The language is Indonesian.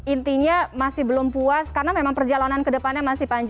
intinya masih belum puas karena memang perjalanan ke depannya masih panjang